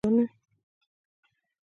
آیا پښتون په دوستۍ کې وفادار نه وي؟